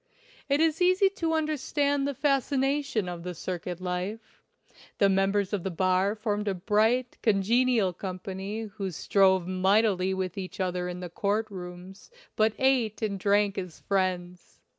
It is easy to understand the fascination of the circuit life. The members of the bar formed a bright, congenial company who strove mightily with each other in the court rooms, but ate and drank as friends.